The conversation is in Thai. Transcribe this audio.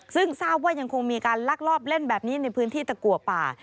ซึ่งทราบว่ายังคงมีการลักลอบเล่นแบบนี้ในพื้นที่ตะกัวป่า